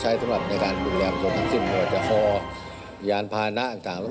ใช้สำหรับในการปรึกแรมมันก็จะคอยานพานะหลังจาก